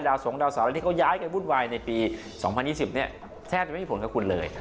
ดาวสงฆ์ดาวสารที่เขาย้ายกันวุ่นวายในปี๒๐๒๐แทบจะไม่มีผลกับคุณเลย